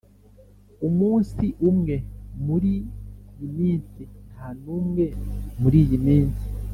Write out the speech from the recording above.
umunsi umwe muriyi minsi ntanumwe muriyi minsi